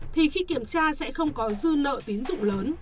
thì khi kiểm tra sẽ không có dư nợ tín dụng lớn